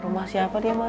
rumah siapa dia